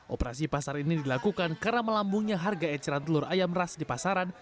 operasi pasar ini dilakukan karena melambungnya harga eceran telur ayam ras di pasaran